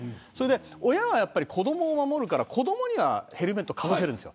親は子どもを守るから子どもにはヘルメットかぶせるんです。